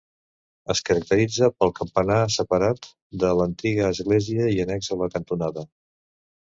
Es caracteritza pel campanar separat de l'antiga església i annex a la cantonada.